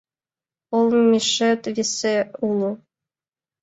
Олмешет весе уло.